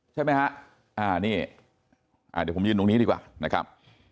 ใช่ไหมฮะอ่านี่เดี๋ยวผมยืนตรงนี้ดีกว่านะครับ